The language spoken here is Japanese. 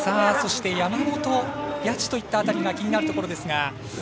そして、山本、谷地といったところが気になるところですが。